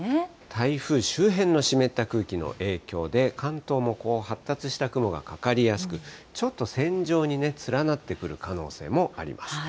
台風周辺の湿った空気の影響で、関東も発達した雲がかかりやすく、ちょっと線状に連なってくる可能性もあります。